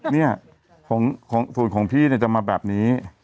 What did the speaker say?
เนี่ยส่วนของพี่จะมาแบบนี้